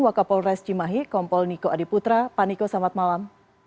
wakapol res cimahi kompol niko adiputra paniko samadmalam